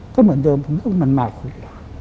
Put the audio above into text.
ก็เหมือนเดิมผมไม่ต้องมันมาคุย